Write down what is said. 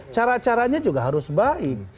cara caranya juga harus baik